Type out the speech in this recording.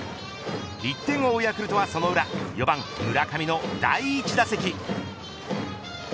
１点を追うヤクルトはその裏４番、村上の第１打席。